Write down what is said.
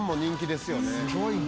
すごいね。